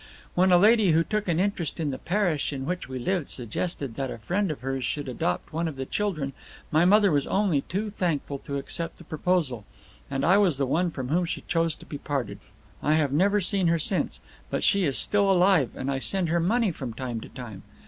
When a lady who took an interest in the parish in which we lived suggested that a friend of hers should adopt one of the children, my mother was only too thankful to accept the proposal, and I was the one from whom she chose to be parted. I have never seen her since, but she is still alive, and I send her money from time to time.